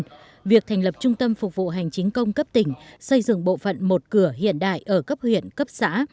vì vậy việc thành lập trung tâm phục vụ hành chính công cấp tỉnh xây dựng bộ phận một cửa hiện đại ở cấp huyện cấp xã